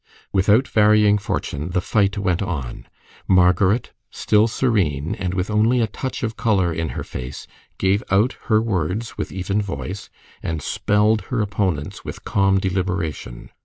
Without varying fortune the fight went on. Margaret, still serene, and with only a touch of color in her face, gave out her words with even voice, and spelled her opponent's with calm deliberation.